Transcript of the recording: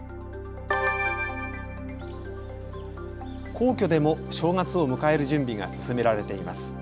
皇居でも正月を迎える準備が進められています。